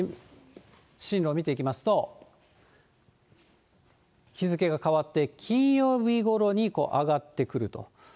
進路を見ていきますと、日付が変わって金曜日ごろに上がってくると。